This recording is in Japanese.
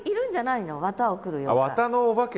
綿のお化け？